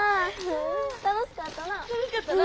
楽しかったな。